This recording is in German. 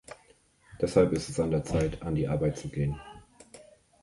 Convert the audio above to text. Deshalb ist es an der Zeit, an die Arbeit zu gehen!